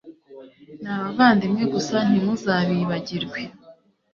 n abavandimwe gusa ntimuzabibagirwe